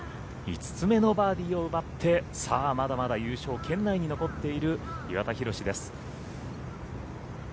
５つ目のバーディーを奪ってまだまだ優勝圏内に残っている岩田寛です。